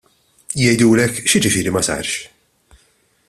Jgħidulek: X'jiġifieri ma sarx?